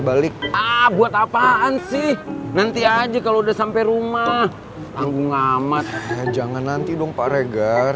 pak riker berhenti dulu pak riker